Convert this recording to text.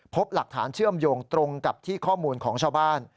พบหลักฐานเชื่อมโยงตรงกับที่ข้อมูลของชาวบ้าน